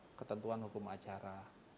dalam ketentuan hukum acara